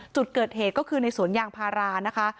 จุดเกิดเหตุก็คือในสวนยางพารานะคะ